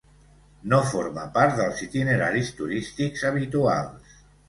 No forma part dels itineraris turístics habituals.